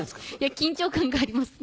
緊張感がありますね。